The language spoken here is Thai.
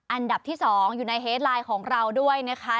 อันดับที่๒อยู่ในเฮดไลน์ของเราด้วยนะคะ